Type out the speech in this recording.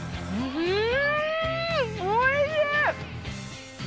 うん。